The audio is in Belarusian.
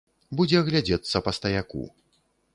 Будзе глядзецца па стаяку.